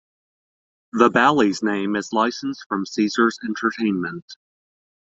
The Bally's name is licensed from Caesars Entertainment.